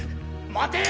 待て！